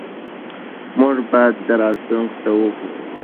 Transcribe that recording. موږ باید راتلونکي ته وګورو.